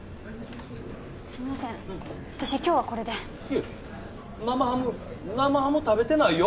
すいません私今日はこれでいや生ハム生ハム食べてないよ